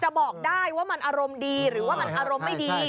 บอกได้ว่ามันอารมณ์ดีหรือว่ามันอารมณ์ไม่ดี